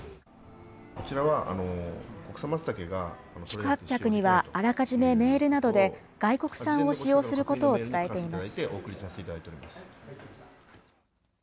宿泊客にはあらかじめメールなどで、外国産を使用することを伝えています。